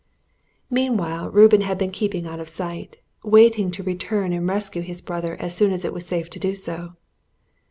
Meanwhile Reuben had been keeping out of sight, waiting to return and rescue his young brother as soon as it was safe to do so.